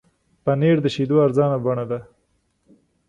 پنېر د شیدو ارزانه بڼه ده.